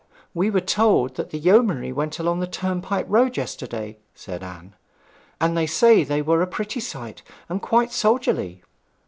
'We were told that the yeomanry went along the turnpike road yesterday,' said Anne; 'and they say that they were a pretty sight, and quite soldierly.'